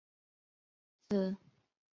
自链霉菌属分离的多肽抗生素。